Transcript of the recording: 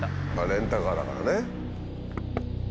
レンタカーだからね。